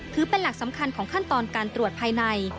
ถือเป็นหลักสำคัญของขั้นตอนการตรวจภายใน